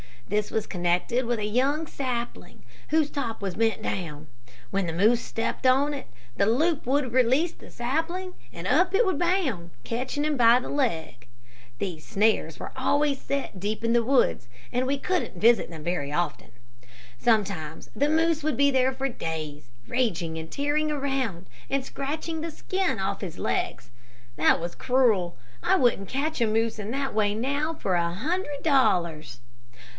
This was connected with a young sapling whose top was bent down. When the moose stepped on the loop it would release the sapling, and up it would bound, catching him by the leg. These snares were always set deep in the woods, and we couldn't visit them very often. Sometimes the moose would be there for days, raging and tearing around, and scratching the skin off his legs. That was cruel. I wouldn't catch a moose in that way now for a hundred dollars.